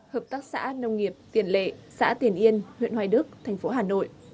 hợp tác xã nông nghiệp tiền lệ xã tiền yên huyện hoài đức thành phố hà nội